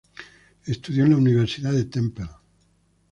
Estudió en la Universidad de Temple.